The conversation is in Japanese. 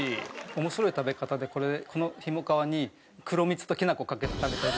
面白い食べ方でこのひもかわに黒蜜ときな粉かけて食べたり。